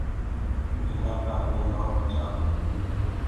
جنآ ڪآ هميٚ نو ٻچآ هآنٚ۔